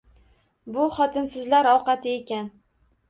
Bu xotinsizlar ovqati ekan